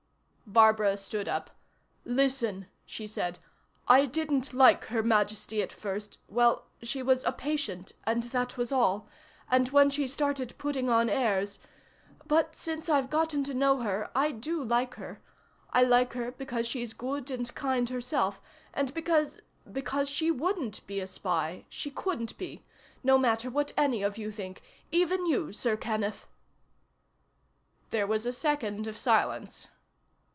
Barbara stood up. "Listen," she said. "I didn't like Her Majesty at first well, she was a patient, and that was all, and when she started putting on airs ... but since I've gotten to know her I do like her. I like her because she's good and kind herself, and because because she wouldn't be a spy. She couldn't be. No matter what any of you think even you Sir Kenneth!" There was a second of silence.